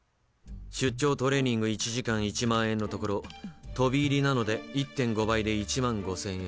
出張トレーニング１時間１万円のところ飛び入りなので１．５倍で１万５，０００円。